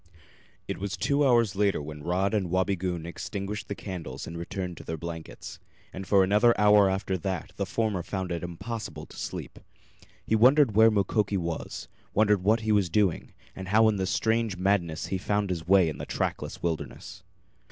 It was two hours later when Rod and Wabigoon extinguished the candles and returned to their blankets. And for another hour after that the former found it impossible to sleep. He wondered where Mukoki was wondered what he was doing, and how in his strange madness he found his way in the trackless wilderness.